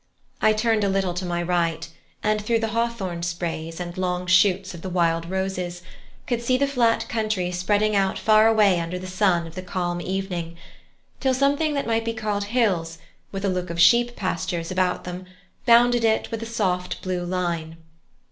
I turned a little to my right, and through the hawthorn sprays and long shoots of the wild roses could see the flat country spreading out far away under the sun of the calm evening, till something that might be called hills with a look of sheep pastures about them bounded it with a soft blue line.